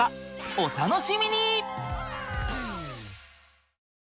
お楽しみに！